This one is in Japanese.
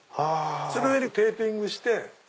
その上にテーピングして。